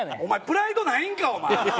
お前プライドないんかお前。